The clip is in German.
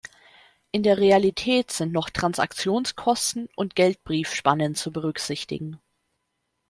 In der Realität sind noch Transaktionskosten und Geld-Brief-Spannen zu berücksichtigen.